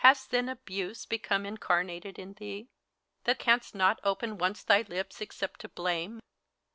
Has then Abuse become incarnated in thee. That canst not open once thy lips, except to blame T PHORKYAS.